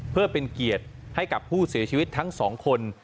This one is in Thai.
เพื่อเป็นเกียรติให้กับผู้เสียชีวิตทั้งสองคน